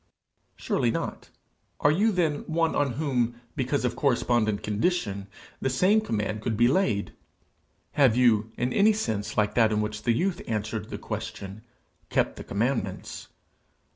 Surely not! Are you then one on whom, because of correspondent condition, the same command could be laid? Have you, in any sense like that in which the youth answered the question, kept the commandments?